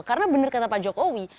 karena benar kata pak jokowi